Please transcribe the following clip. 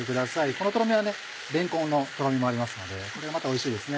このとろみはれんこんのとろみもありますのでこれがまたおいしいですね。